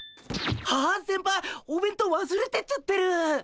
あっ先輩お弁当わすれてっちゃってる！